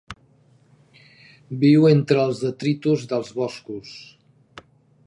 Viu entre el detritus dels boscos.